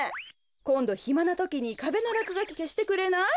こんどひまなときにかべのらくがきけしてくれない？